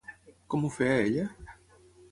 Com ho feia ella?